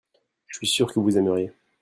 je suis sûr vous aimeriez.